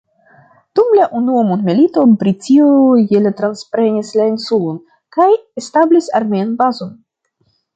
Dum la unua mondmilito Britio je la transprenis la insulon kaj establis armean bazon.